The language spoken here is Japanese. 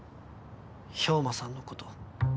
兵馬さんのこと。